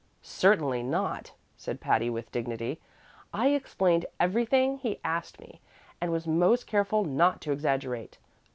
"Certainly not!" said Patty, with dignity. "I explained everything he asked me, and was most careful not to exaggerate.